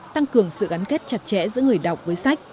tăng cường sự gắn kết chặt chẽ giữa người đọc với sách